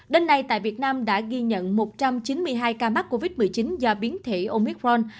đến nay tại việt nam đã ghi nhận một trăm chín mươi hai ca mắc covid một mươi chín do biến thể omicron